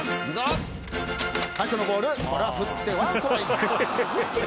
最初のボールは振ってワンストライク。